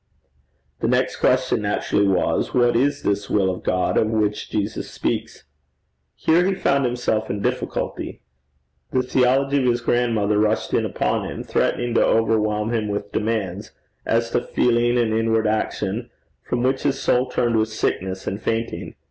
The next question naturally was: What is this will of God of which Jesus speaks? Here he found himself in difficulty. The theology of his grandmother rushed in upon him, threatening to overwhelm him with demands as to feeling and inward action from which his soul turned with sickness and fainting.